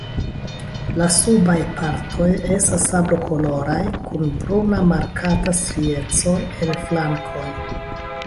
La subaj partoj estas sablokoloraj kun bruna markata strieco en flankoj.